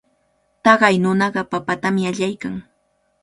Taqay nunaqa papatami allaykan.